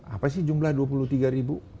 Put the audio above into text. apa sih jumlah dua puluh tiga ribu